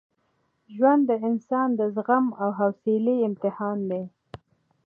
ژوند د انسان د زغم او حوصلې امتحان دی.